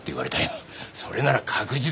それなら確実だと。